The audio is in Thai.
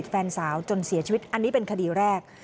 แฟนสาวจนเสียชีวิตอันนี้เป็นคดีแรก